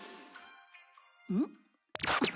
うん？